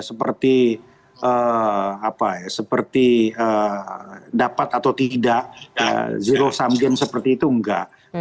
jadi seperti dapat atau tidak zero sum game seperti itu enggak